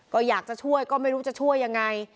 ก็อยากจะช่วยก็ไม่รู้จะช่วยยังไง